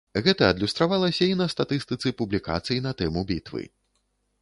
Гэта адлюстравалася і на статыстыцы публікацый на тэму бітвы.